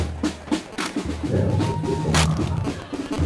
لا أصدق ما أراه.